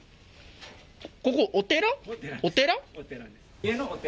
ここ、お寺？お寺？